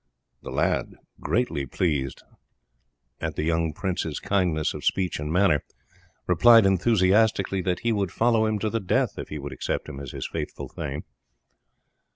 The lad, greatly pleased at the young prince's kindness of speech and manner, replied enthusiastically that he would follow him to the death if he would accept him as his faithful thane.